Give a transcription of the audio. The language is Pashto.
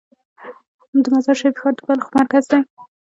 د مزار شریف ښار د بلخ مرکز دی